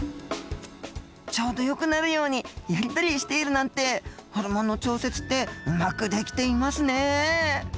ちょうどよくなるようにやり取りしているなんてホルモンの調節ってうまくできていますね。